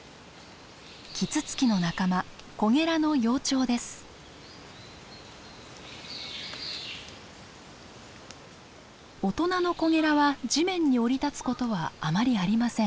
キツツキの仲間大人のコゲラは地面に降り立つことはあまりありません。